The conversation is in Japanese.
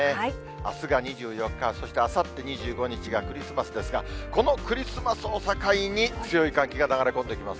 あすが２４日、そしてあさって２５日がクリスマスですが、このクリスマスを境に、強い寒気が流れ込んできます。